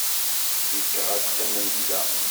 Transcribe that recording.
Cikkeɣ ad qqiment da.